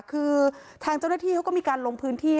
คือทางเจ้าหน้าที่เขาก็มีการลงพื้นที่